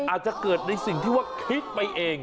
อาจจะเกิดในสิ่งที่ว่าคิดไปเอง